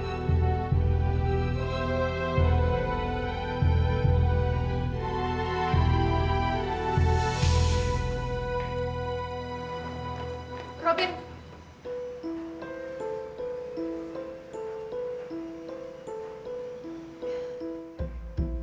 sudah tiba ketika unik